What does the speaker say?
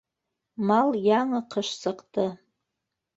Мал яңы ҡыш сыҡты.